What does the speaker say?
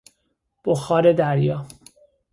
بخار دریا